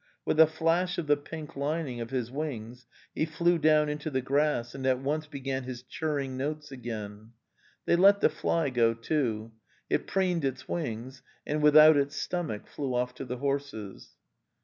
With a flash of the pink lining of his wings, he flew down into the grass and at once began his churring notes again. They let the fly go, too. It preened its wings, and without its stomach flew off to the horses.